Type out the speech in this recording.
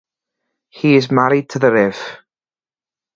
He is married to the Rev.